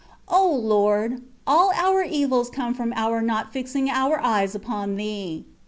O Lord ! all our evils come from our not fixing our eyes upon Thee.